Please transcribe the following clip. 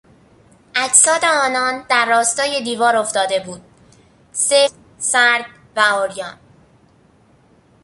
اجساد آنان در راستای دیوار افتاده بود، سفت و سرد و عریان.